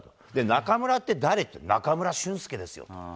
中村って誰？って、中村俊輔ですよと。